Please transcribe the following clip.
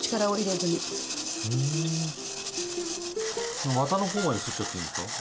このわたの方まですっちゃっていいですか？